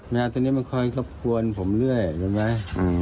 แมวตัวนี้มันคอยต้องบ่นของผมเรื่อยโดยไม่ครับ